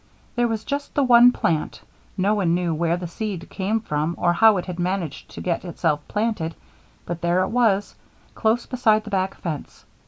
There was just the one plant; no one knew where the seed came from or how it had managed to get itself planted, but there it was, close beside the back fence.